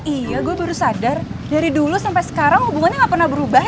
iya gue baru sadar dari dulu sampai sekarang hubungannya gak pernah berubah